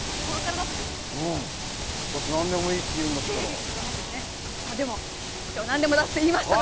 だって、何でもいいって言うんだったら。